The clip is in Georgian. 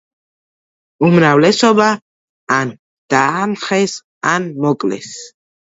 უმრავლესობა ან დაამხეს, ან მოკლეს.